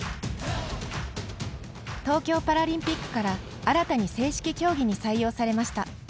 東京パラリンピックから新たに正式競技に採用されました。